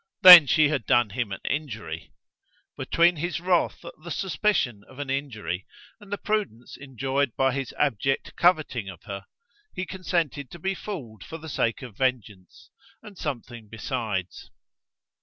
Then she had done him an injury! Between his wrath at the suspicion of an injury, and the prudence enjoined by his abject coveting of her, he consented to be fooled for the sake of vengeance, and something besides.